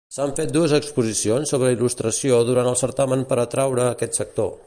S'han fet dues exposicions sobre il·lustració durant el certamen per atraure aquest sector.